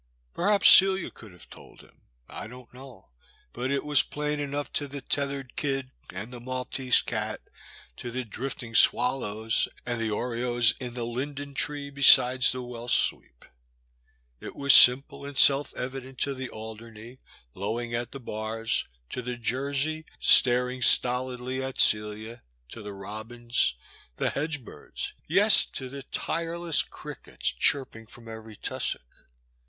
Perhaps Celia could have told him, I don't know, but it was plain enough to the tethered kid and the Maltese cat, to the drifting swallows, and the orioles in the linden tree besides the well sweep. It was simple and self evident to the Aldemey, lowing at the bars, to the Jersey star ing stolidly at Celia, to the robins, the hedge birds — ^yes, to the tireless crickets chirping from every tussock.